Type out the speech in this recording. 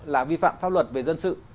là vi phạm pháp luật về dân sự